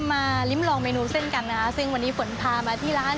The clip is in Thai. ลิ้มลองเมนูเส้นกันนะคะซึ่งวันนี้ฝนพามาที่ร้าน